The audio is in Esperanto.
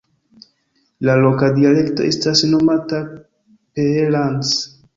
La loka dialekto estas nomata Peellands.